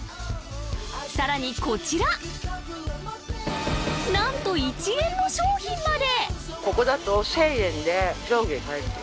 さらにこちらなんと１円の商品まで！